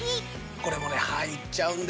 これもね入っちゃうんですよね